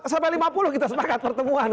sampai lima puluh kita sepakat pertemuan